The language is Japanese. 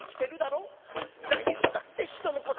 太夫だって人の子だ。